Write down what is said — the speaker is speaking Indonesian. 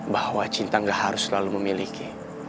bahwa cinta gak harus selalu memiliki